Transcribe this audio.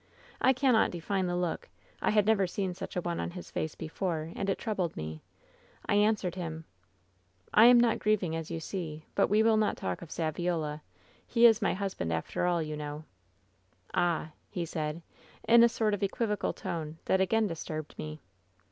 I cannot define the look; I had never seen such a one on his face before, and it troubled me; I answered him: " 'I am not grieving as you see ; but we will not talk of Saviola ; he is my husband after all, you know.' " 'Ah !' he said, in a sort of equivocal tone that again disturbed me.